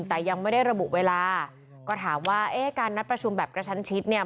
แต่ยังไม่ได้ระบุเวลาก็ถามว่าเอ๊ะการนัดประชุมแบบกระชั้นชิดเนี่ย